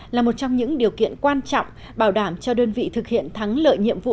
là một trong những điều kiện quan trọng bảo đảm cho đơn vị thực hiện thắng lợi nhiệm vụ